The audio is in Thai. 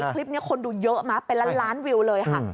คลิปนี้คนดูเยอะนะเป็นล้านล้านวิวเลยค่ะ